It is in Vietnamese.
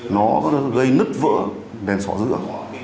nó gây nứt vỡ đèn sỏ dữa